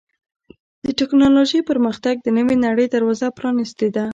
د ټکنالوجۍ پرمختګ د نوې نړۍ دروازه پرانستې ده.